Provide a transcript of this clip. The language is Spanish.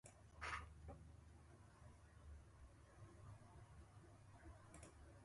porque el templo de Dios, el cual sois vosotros, santo es.